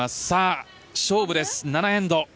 さあ勝負です、７エンド。